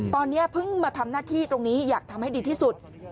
ตอนนี้เพิ่งมาทำหน้าที่ตรงนี้อยากทำให้ดีที่สุด